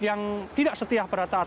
yang tidak setia pada taat